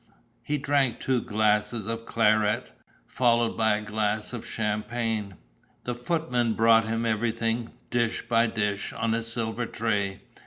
He drank two glasses of claret, followed by a glass of champagne. The footman brought him everything, dish by dish, on a silver tray.